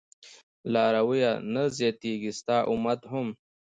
لارويه نه زياتېږي ستا امت هم